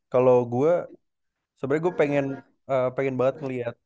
kalau gue sebenarnya gue pengen banget ngeliat